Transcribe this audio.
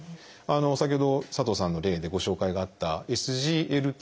先ほど佐藤さんの例でご紹介があったＳＧＬＴ